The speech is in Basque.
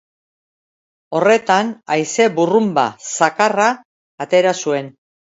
Horretan, haize burrunba zakarra atera zuen.